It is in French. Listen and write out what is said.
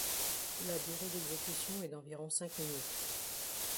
La durée d'exécution est d'environ cinq minutes.